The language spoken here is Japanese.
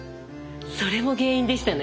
それも原因でしたね。